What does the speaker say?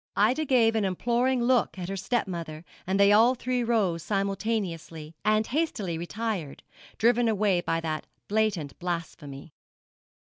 Ida gave an imploring look at her stepmother, and they all three rose simultaneously, and hastily retired, driven away by that blatant blasphemy.